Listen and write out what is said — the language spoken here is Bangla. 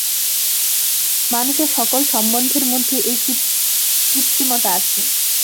মানুষের সকল সম্বন্ধের মধ্যেই এই কৃত্রিমতা আছে।